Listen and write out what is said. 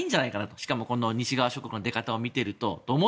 しかも、こんな西側諸国の出方を見ていると。